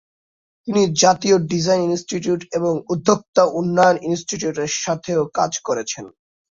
তিনি জাতীয় design institute এবং উদ্যোক্তা উন্নয়ন ইনস্টিটিউটের সাথেও কাজ করেছেন।